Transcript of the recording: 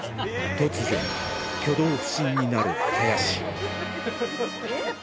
突如挙動不審になる林